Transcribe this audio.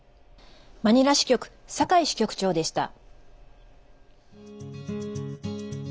マニラ支局、酒井支局長でした。